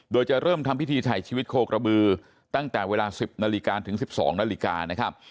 โดยจะเริ่มทำพิธีถ่ายชีวิตโคกระบือตั้งแต่เวลา๑๐นาฬิกาถึง๑๒นาฬิกานะครับ